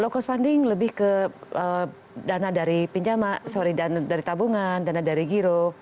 low cost funding lebih ke dana dari pinjaman sorry dana dari tabungan dana dari giro